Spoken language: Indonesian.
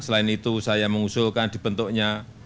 selain itu saya mengusulkan dibentuknya